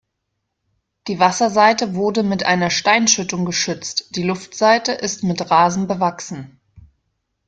Die Wasserseite wurde mit einer Steinschüttung geschützt, die Luftseite ist mit Rasen bewachsen.